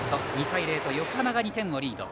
２対０と横浜が２点をリード。